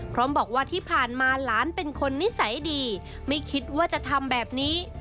พร้อมบอกว่าที่ผ่านมาหลานเป็นคนนิสัยดีไม่คิดว่าจะทำแบบนี้